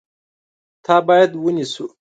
تا باید ونیسو !